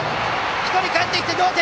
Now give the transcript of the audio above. １人かえってきて同点！